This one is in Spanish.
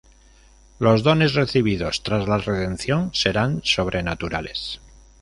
Los dones recibidos tras la Redención serán sobrenaturales.